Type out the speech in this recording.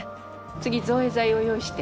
次造影剤を用意して。